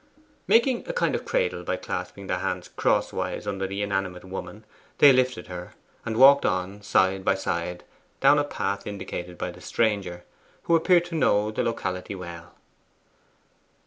Making a kind of cradle, by clasping their hands crosswise under the inanimate woman, they lifted her, and walked on side by side down a path indicated by the stranger, who appeared to know the locality well.